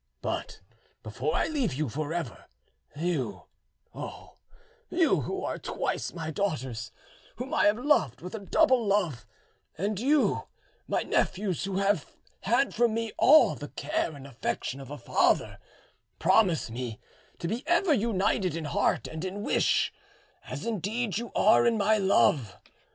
But before I leave you for ever, you, oh, you who are twice my daughters, whom I have loved with a double love, and you my nephews who have had from me all the care and affection of a father, promise me to be ever united in heart and in wish, as indeed you are in my love.